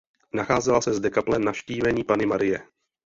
Nacházela se zde kaple Navštívení Panny Marie.